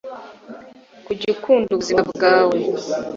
kujya ukunda ubuzima bwawe.